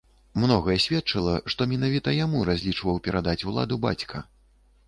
Многае сведчыла, што менавіта яму разлічваў перадаць уладу бацька.